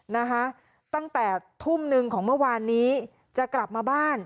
นะคะตั้งแต่ทุ่มหนึ่งของเมื่อวานนี้จะกลับมาบ้าน